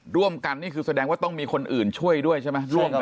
ร่วมกันนี่คือแสดงว่าต้องมีคนอื่นช่วยด้วยใช่ไหม